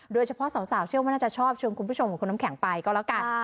โดยเฉพาะสาวเชื่อว่าน่าจะชอบชวนคุณผู้ชมกับคุณน้ำแข็งไปก็แล้วกัน